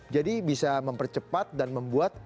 jadi bisa mempercepat dan membuat